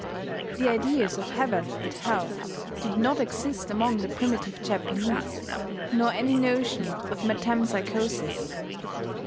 The ideas of heaven and hell did not exist among the primitive Japanese, nor any notion of metempsychosis.